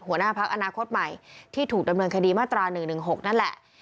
หัวหน้าพักอนาคตใหม่ที่ถูกดำเนินคดีมาตรา๑๑๖นั่นแหละ